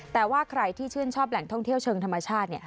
แต่ว่าใครที่ชื่นชอบแหล่งท่องเที่ยวเชิงธรรมชาติ